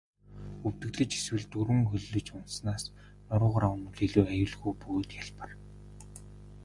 Өвдөглөж эсвэл дөрвөн хөллөж унаснаас нуруугаараа унавал илүү аюулгүй бөгөөд хялбар.